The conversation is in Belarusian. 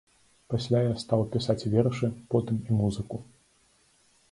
Пасля я стаў пісаць вершы, потым і музыку.